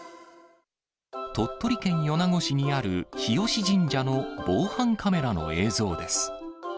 鳥取県米子市にある日吉神社の防犯カメラの映像です。